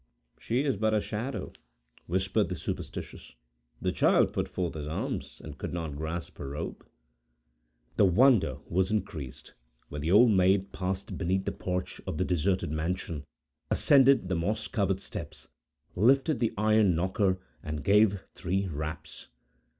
"She is but a shadow," whispered the superstitious. "The child put forth his arms and could not grasp her robe!" The wonder was increased, when the Old Maid passed beneath the porch of the deserted mansion, ascended the moss covered steps, lifted the iron knocker, and gave three raps.